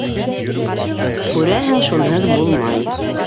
Күрәһең, шунһыҙ булмай.